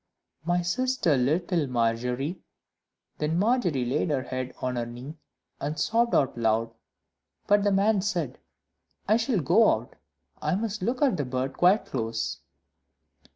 "My sister, little Margery," Then Margery laid her head on her knee, and sobbed out loud; but the man said, "I shall go out I must look at the bird quite close."